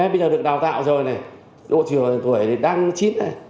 bây giờ được đào tạo rồi độ tuổi đang chín